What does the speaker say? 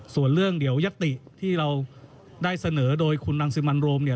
ส่วนเรื่องเดี๋ยวยัตติที่เราได้เสนอโดยคุณรังสิมันโรมเนี่ย